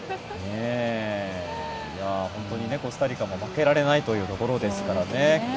本当にコスタリカも負けられないというところですからね。